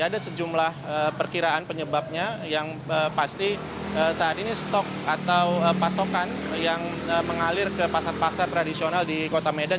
ada sejumlah perkiraan penyebabnya yang pasti saat ini stok atau pasokan yang mengalir ke pasar pasar tradisional di kota medan